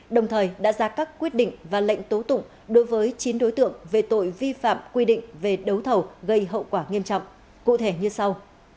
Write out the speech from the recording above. đồng thời đã ra các quyết định và lệnh tố tụng đối với chín đối tượng về tội vi phạm quy định về đấu thầu gây hậu quả nghiêm trọng cụ thể như sau